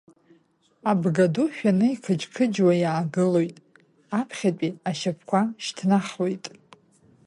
Абгаду шәаны иқыџь-қыџьуа иаагылоит, аԥхьатәи ашьапқәа шьҭнахуеит.